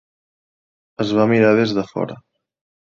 Es va mirar des de fora.